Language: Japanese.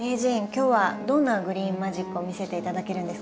今日はどんなグリーンマジックを見せて頂けるんですか？